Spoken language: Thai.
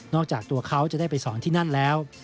จากตัวเขาจะได้ไปสอนที่นั่นแล้ว